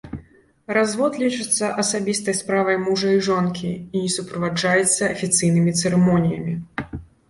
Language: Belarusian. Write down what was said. Развод лічыцца асабістай справай мужа і жонкі і не суправаджаецца афіцыйнымі цырымоніямі.